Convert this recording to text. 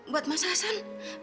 buat mas hasan